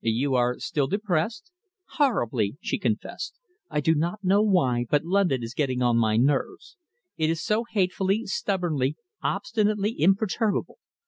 "You are still depressed?" "Horribly," she confessed. "I do not know why, but London is getting on my nerves. It is so hatefully, stubbornly, obstinately imperturbable.